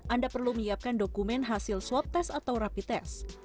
anda perlu menyiapkan dokumen hasil swab test atau rapi tes